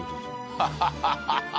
ハハハハッ！